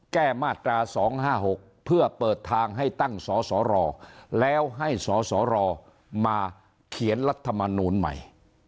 แก้มาตรา๒๕๖เพื่อเปิดทางให้ตั้งสสรแล้วให้สสรมาเขียนรัฐมนูลใหม่